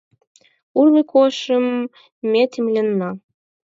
Урлык ожым ме темленна.